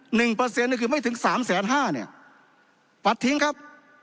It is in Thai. เปอร์เซ็นต์นี่คือไม่ถึงสามแสนห้าเนี่ยปัดทิ้งครับ